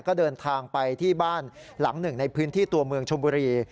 ก็เดินทางไปที่บ้านหลังหนึ่งในพื้นที่ตัวเมืองชมบุรี